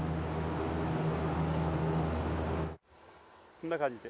こんな感じで。